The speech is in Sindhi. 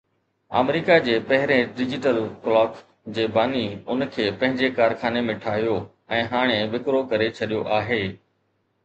آمريڪا جي پهرين ڊجيٽل ڪلاڪ جي باني ان کي پنهنجي ڪارخاني ۾ ٺاهيو ۽ هاڻي وڪرو ڪري ڇڏيو آهي